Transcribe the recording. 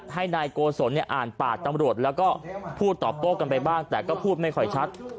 ให้นายโกศลอ่านปากตำรวจแล้วก็พูดตอบโต้กันไปบ้างแต่ก็พูดไม่ค่อยชัด